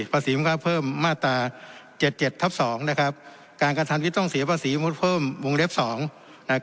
ภาษีมุมค่าเพิ่มมาตรา๗๗ทัพ๒การการทานวิต้องเสียภาษีมุมค่าเพิ่มวงเล็ก๒